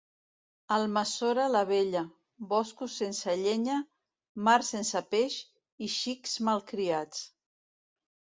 Almassora la Vella, boscos sense llenya, mar sense peix i xics malcriats.